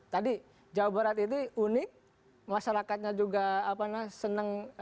tadi jawa barat itu unik masyarakatnya juga senang